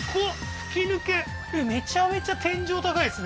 吹き抜けめちゃめちゃ天井高いですね